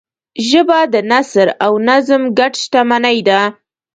ژبه د نثر او نظم ګډ شتمنۍ ده